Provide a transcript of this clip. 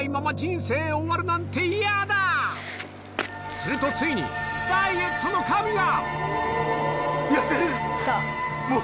するとついにダイエットの神が！